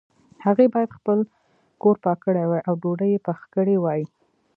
هغې باید خپل کور پاک کړی وای او ډوډۍ یې پخې کړي وای